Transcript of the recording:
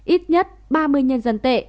ít nhất ba mươi nhân dân tệ